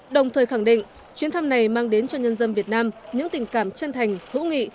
đồng thời khẳng định chuyến thăm này mang đến cho nhân dân việt nam những tình cảm chân thành hữu nghị